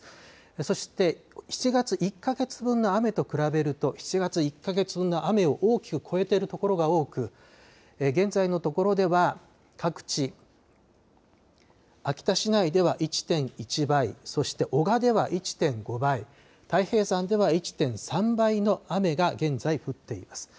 そして７月１か月分の雨と比べると、７月１か月分の雨を大きく超えている所が多く、現在のところでは、各地、秋田市内では１．１倍、そして男鹿では１．５倍、太平山では１．３倍の雨が現在降っています。